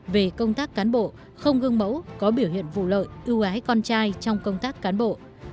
về công tác cán bộ không gương mẫu có biểu hiện vụ lợi ưu ái con trai trong công tác cán bộ